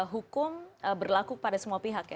hukum berlaku pada semua pihak ya